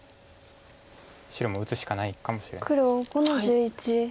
白も打つしかないかもしれないです。